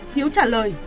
hiếu trả lời